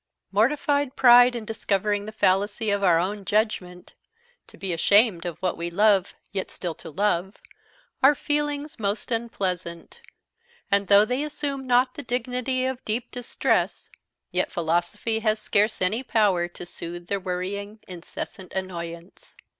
Mortified pride in discovering the fallacy of our own judgment; to be ashamed of what we love, yet still to love, are feelings most unpleasant; and though they assume not the dignity of deep distress, yet philosophy has scarce any power to soothe their worrying, incessant annoyance.